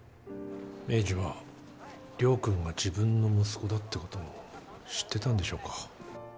栄治は亮君が自分の息子だってことを知ってたんでしょうか？